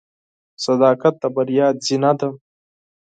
• صداقت د بریا زینه ده.